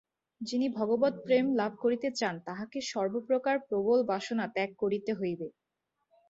যিনি ভগবৎপ্রেম লাভ করিতে চান, তাঁহাকে সর্বপ্রকার প্রবল বাসনা ত্যাগ করিতে হইবে।